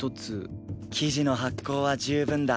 「生地の発酵は十分だ」